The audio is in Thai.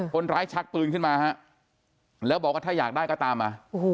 ชักปืนขึ้นมาฮะแล้วบอกว่าถ้าอยากได้ก็ตามมา